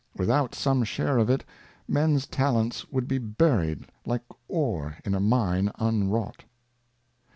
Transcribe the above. Without some Share of it, Mens Talents would be buried like Ore in a Mine unwrought.